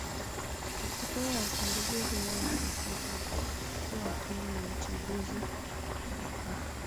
Matokeo ya uchaguzi huo yakafutwa na mwenyekiti wa tume ya uchaguzi Zanzibar